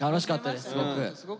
すごく。